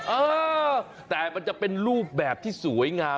เออแต่มันจะเป็นรูปแบบที่สวยงาม